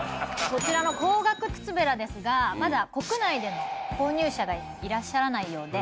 こちらの高額靴べらですがまだ国内での購入者がいらっしゃらないようで。